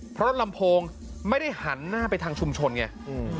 เพราะลำโพงไม่ได้หันหน้าไปทางชุมชนไงอืม